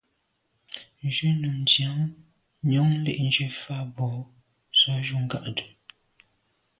Njù num ndàn njon le’njù fa bo sô yub nkage.